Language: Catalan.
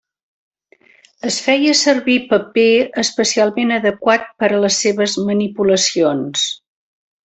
Es feia servir paper especialment adequat per a les seves manipulacions.